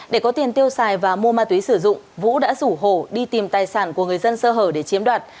để có tiền tiêu xài và mua ma túy sử dụng vũ đã rủ hồ đi tìm tài sản của người dân sơ hở để chiếm đoạt